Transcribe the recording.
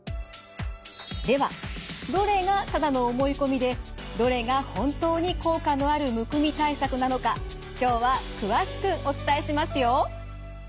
ではどれがただの思い込みでどれが本当に効果のあるむくみ対策なのか今日は詳しくお伝えしますよ。